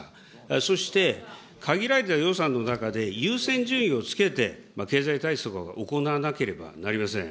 そして、限られた予算の中で優先順位をつけて経済対策は行わなければなりません。